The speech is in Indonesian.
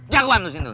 jagoan lu sini